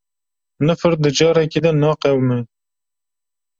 Nifir di carekî de naqewime